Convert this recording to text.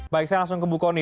baik saya langsung ke bu kony